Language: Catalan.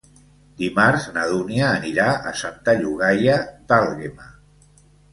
Dimarts na Dúnia anirà a Santa Llogaia d'Àlguema.